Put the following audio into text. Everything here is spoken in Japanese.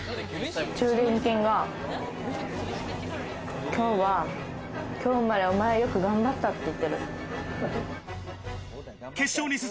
中臀筋が今日は今日までお前よく頑張ったって言ってます。